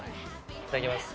いただきます。